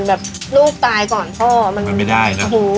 สมัยก่อนลูกตายก่อนพ่อมันไม่ได้